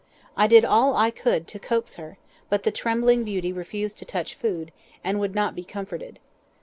I did all I could to coax her, but the trembling beauty refused to touch food, and would not be comforted.